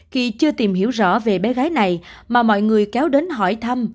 khi chưa tìm hiểu rõ về bé gái này mà mọi người kéo đến hỏi thăm